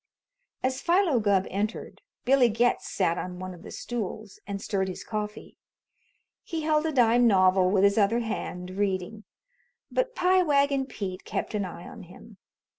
As Philo Gubb entered, Billy Getz sat on one of the stools and stirred his coffee. He held a dime novel with his other hand, reading; but Pie Wagon Pete kept an eye on him.